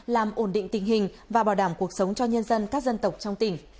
làm ổn định tình hình và bảo đảm cuộc sống cho nhân dân các dân tộc trong tỉnh